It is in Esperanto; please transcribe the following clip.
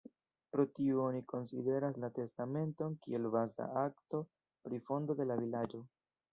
Pro tio oni konsideras la testamenton kiel baza akto pri fondo de la vilaĝo.